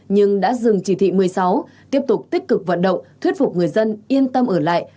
nhưng đã dừng chỉ thị một mươi sáu tiếp tục tích cực vận động thuyết phục người dân yên tâm ở lại